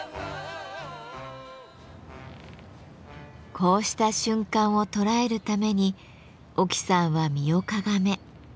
こうした瞬間を捉えるために沖さんは身をかがめカメラを構えます。